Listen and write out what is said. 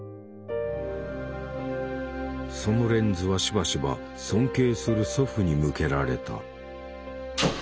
そのレンズはしばしば尊敬する祖父に向けられた。